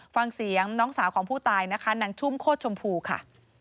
ฟังเสียงน้องสาวของผู้ตายนะคะนางชุ่มโคตรชมพูค่ะ